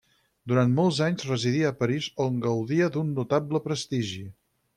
Durant molts anys residí a París on gaudia d'un notable prestigi.